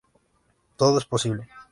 Todo es posible.